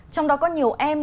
trong đó có nhiều em